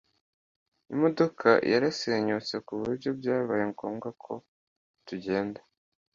Imodoka yarasenyutse ku buryo byabaye ngombwa ko tugenda